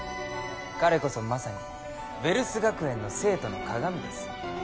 彼こそまさにヴェルス学園の生徒のかがみです